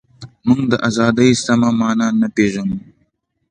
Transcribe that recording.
موږ د ازادۍ سمه مانا نه پېژنو.